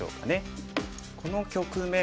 この局面